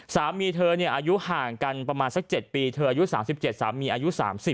สามีเธออายุห่างกันประมาณสัก๗ปีเธออายุ๓๗สามีอายุ๓๐